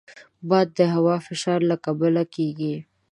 باد د هوا فشار له کبله کېږي